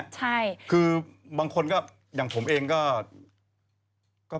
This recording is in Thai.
ใช่คือบางคนก็อย่างผมเองก็